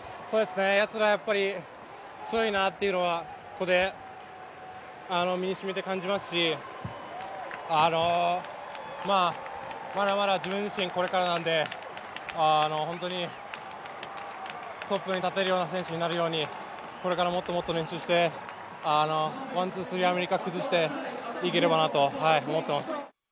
やつら、やっぱり強いなっていうのはここで身にしみて感じますしまだまだ自分自身これからなんで、トップに立てるような選手になるようにこれからもっともっと練習してワン・ツー・スリーアメリカを崩していければと思っています。